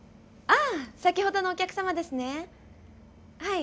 ああ先ほどのお客さまですね。